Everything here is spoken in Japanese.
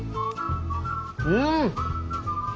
うん！